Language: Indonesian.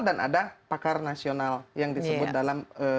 dan ada pakar nasional yang disebut dalam